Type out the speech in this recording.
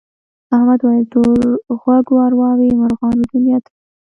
احمد وویل تور غوږو ارواوې مرغانو دنیا ته ځي.